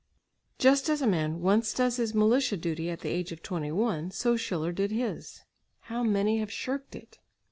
Just as a man once does his militia duty at the age of twenty one, so Schiller did his. How many have shirked it!